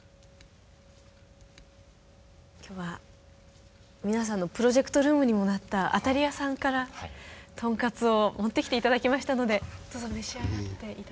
今日は皆さんのプロジェクトルームにもなったあたりやさんからとんかつを持ってきて頂きましたのでどうぞ召し上がって。